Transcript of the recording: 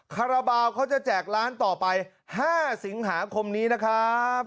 คาราบาลเขาจะแจกร้านต่อไป๕สิงหาคมนี้นะครับ